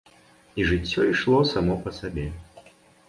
І жыццё ішло само па сабе.